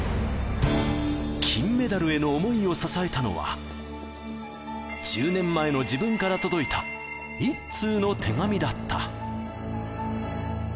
金メダルへの想いを支えたのは、１０年前の自分から届いた１通の手紙だった。